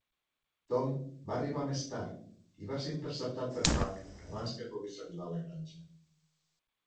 Tom va arribar més tard i va ser interceptat per Huck abans que pogués arribar a la granja.